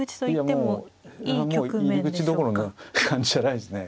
もう入り口どころの感じじゃないですね。